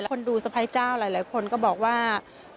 คนดูสะพ้ายเจ้าหลายคนก็บอกว่า